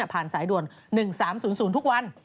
ผ่านสายด่วน๑๓๐๐ทุกวัน